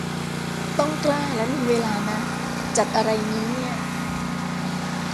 ต้องกล้าและมีเวลานะ จัดอะไรงี้เนี่ย